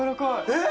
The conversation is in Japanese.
えっ？